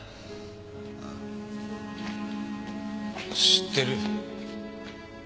知ってる。